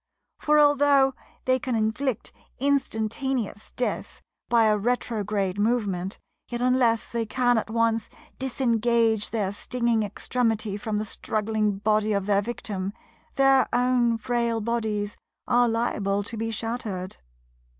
For, although they can inflict instantaneous death by a retrograde movement, yet unless they can at once disengage their stinging extremity from the struggling body of their victim, their own frail bodies are liable to be shattered.